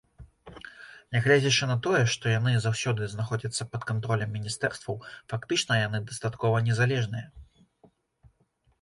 Нягледзячы на тое, што яны заўсёды знаходзяцца пад кантролем міністэрстваў, фактычна яны дастаткова незалежныя.